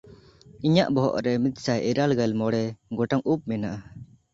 ᱤᱧᱟᱜ ᱵᱚᱦᱚᱜ ᱨᱮ ᱢᱤᱫᱥᱟᱭ ᱤᱨᱟᱹᱞᱜᱮᱞ ᱢᱚᱬᱮ ᱜᱚᱴᱟᱝ ᱩᱵ ᱢᱮᱱᱟᱜᱼᱟ᱾